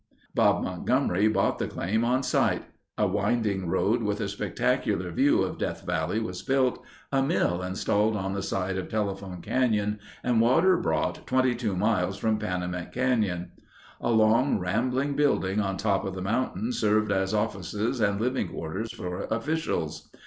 Bob Montgomery bought the claim on sight. A winding road with a spectacular view of Death Valley was built, a mill installed on the side of Telephone Canyon and water brought 22 miles from Panamint Canyon. A long rambling building on top of the mountain served as offices and living quarters for officials.